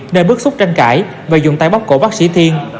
nên bước xúc tranh cãi và dùng tay bóp cổ bác sĩ thiên